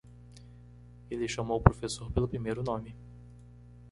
Ele chamou o professor pelo primeiro nome.